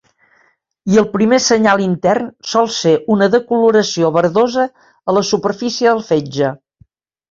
I el primer senyal intern sol ser una decoloració verdosa a la superfície del fetge.